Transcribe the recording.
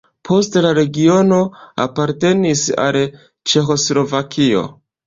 Poste la regiono apartenis al Ĉeĥoslovakio.